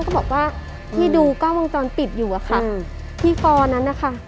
ก็บอกว่าที่ดูก็วงจรปิดอยู่อะค่ะที่นั้นนะคะ